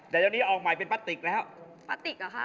แต่เดี๋ยวนี้ออกใหม่เป็นป้าติกแล้วป้าติกเหรอคะ